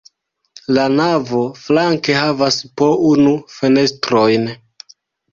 La navo flanke havas po unu fenestrojn.